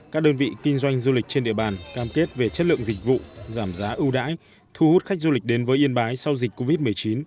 các đơn vị kinh doanh du lịch trên địa bàn cam kết về chất lượng dịch vụ giảm giá ưu đãi thu hút khách du lịch đến với yên bái sau dịch covid một mươi chín